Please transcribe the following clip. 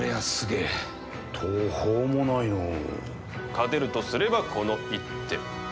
勝てるとすればこの一手。